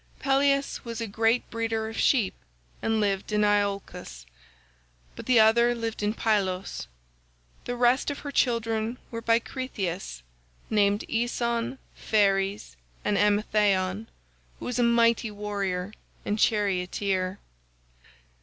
Pelias was a great breeder of sheep and lived in Iolcus, but the other lived in Pylos. The rest of her children were by Cretheus, namely, Aeson, Pheres, and Amythaon, who was a mighty warrior and charioteer.